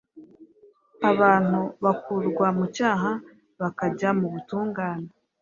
abantu bakurwa mu cyaha bakajya mu butungane.